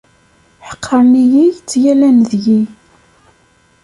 Ḥeqqren-iyi, ttgallan deg-i.